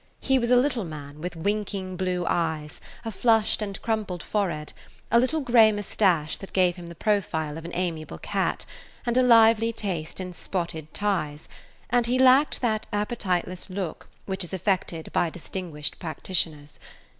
He was a little man with winking blue eyes, a flushed and crumpled forehead, a little gray mustache that gave him the profile of an amiable cat, and a lively taste in spotted ties, and he lacked that appetiteless look which is affected by distinguished practitioners.